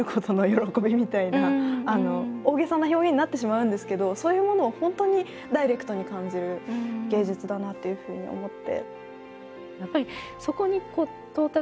大げさな表現になってしまうんですけどそういうものを本当にダイレクトに感じる芸術だなっていうふうに思って。